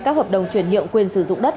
các hợp đồng chuyển nhiệm quyền sử dụng đất